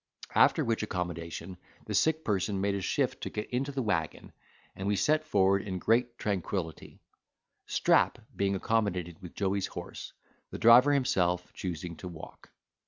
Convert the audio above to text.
After which accommodation, the sick person made a shift to get into the waggon, and we set forward in great tranquillity; Strap being accommodated with Joey's horse, the driver himself choosing to walk.